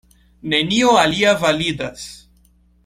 Nenio alia validas.